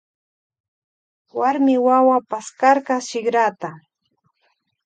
Warmi wawa paskarka shikrata.